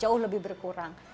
jauh lebih berkurang